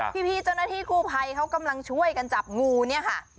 พี่เจ้าหน้าที่กู้ภัยเขากำลังช่วยกันจับงูเนี่ยค่ะ